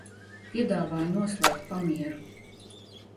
Piedāvāju noslēgt pamieru.